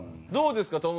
どうですか？